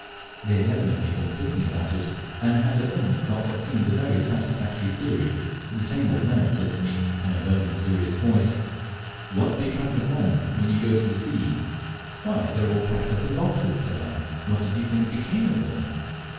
They had evidently been thinking about it, and had at length got what seemed a very satisfactory theory; for the same old man said to me, in a low, mysterious voice, "What becomes of them when you go on to the sea?" "Why, they are all packed up in boxes," said I "What did you think became of them?"